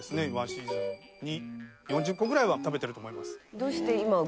１シーズンに４０個ぐらいは食べてると思います。